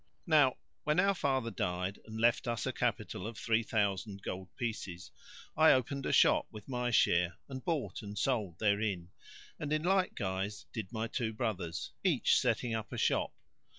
Now when our father died and left us a capital of three thousand gold pieces,[FN#52] I opened a shop with my share, and bought and sold therein, and in like guise did my two brothers, each setting up a shop.